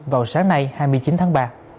vào sáng nay hai mươi chín tháng ba